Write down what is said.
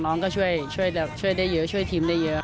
น้องก็ช่วยได้เยอะช่วยทีมได้เยอะ